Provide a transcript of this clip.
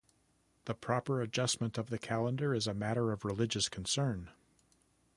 The proper adjustment of the calendar is a matter of religious concern.